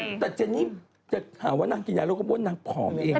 แต่เจนนี่จะถามว่านางกินยาเราก็พูดว่านางผอมเนี่ยเองนะ